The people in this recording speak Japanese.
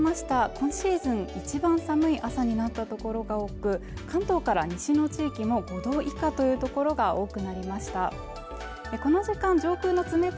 今シーズン一番寒い朝になった所が多く関東から西の地域も５度以下という所が多くなりました